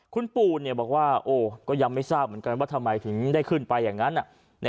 คุณปู่เนี่ยบอกว่าก็ยังไม่ทราบเหมือนกันมันว่าทำไมจะขึ้นไปอย่างนั้น